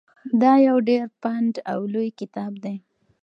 دا یو ډېر پنډ او لوی کتاب دی.